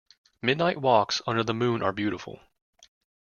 Midnight walks under the moon are beautiful.